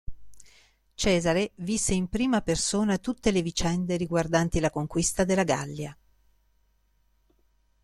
Cesare visse in prima persona tutte le vicende riguardanti la conquista della Gallia.